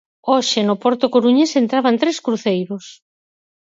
Hoxe no porto coruñés entraban tres cruceiros.